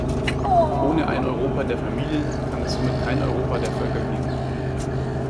Ohne ein Europa der Familien kann es somit kein Europa der Völker geben.